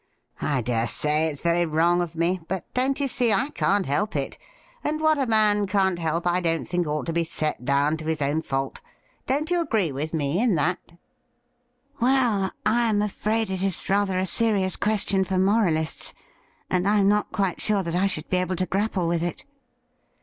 I dare say it's very wrong of me ; but, don't you see, I can't help it, and what a man can't help I don't think ought to be set down to his own fault. Don't you agree with me in that ?' MR. WALEY'S CHIEF 45 ' Well, I am afraid it is rather a serious question for moralists, and I am not quite sure that I should be able to grapple with it.'